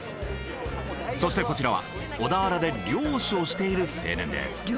そしてこちらは小田原で猟師をしている青年です。